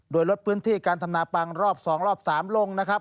โดยลดพื้นที่การทำนาปังรอบ๒รอบ๓ลงนะครับ